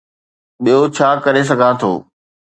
ٻيو ڇا ڪري سگهان ٿو؟